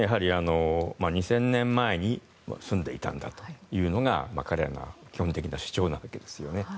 ２０００年前に住んでいたんだというのが彼らの基本的な主張なわけですよね。